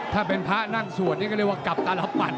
ถ้าเป็นพระนั่งสวดนี่ก็เรียกว่ากลับตลปัด